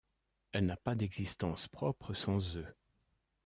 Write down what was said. Elle n'a pas d'existence propre sans eux.